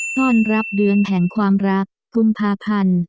ต้อนรับเดือนแห่งความรักกุมภาพันธ์